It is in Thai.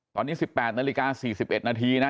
ตอนนี้๑๘นาฬิกา๔๑นาทีนะ